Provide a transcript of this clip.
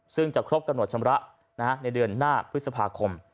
ซึ่งจะครบกระหนวดชำระในเดือนหน้าพฤษภาคม